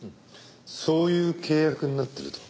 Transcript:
そういう契約になってると？